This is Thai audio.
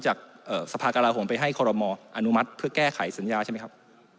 จากสภากราโหมไปให้คอรมออนุมัติเพื่อแก้ไขสัญญาใช่ไหมครับ